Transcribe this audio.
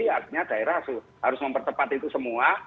akhirnya daerah harus mempertepat itu semua